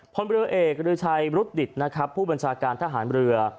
พลเมือเอกรือชัยบรุษดิษฐ์ผู้บัญชาการทหารเมือ